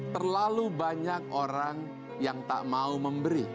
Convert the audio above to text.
terlalu banyak orang yang tak mau memberi